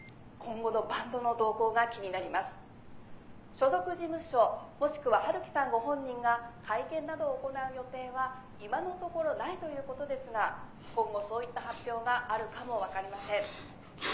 所属事務所もしくは陽樹さんご本人が会見などを行う予定は今のところないということですが今後そういった発表があるかも分かりません。